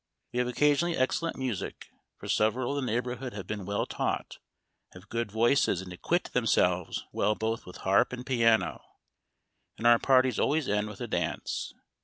We have occasionally excellent music, for several of the neighborhood have been well taught, have good voices, and acquit themselves well both with harp and piano ; and our parties always end with a dance.